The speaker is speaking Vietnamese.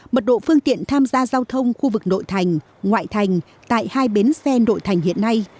mật độ phương tiện tham gia giao thông khu vực nội thành ngoại thành tại hai bến xe nội thành hiện nay